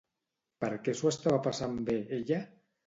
Per què s'ho estava passant bé, ella?